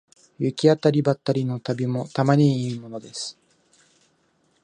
行き当たりばったりの旅もたまにはいいものです